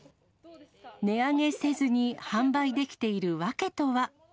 値上げせずに販売できている訳とは。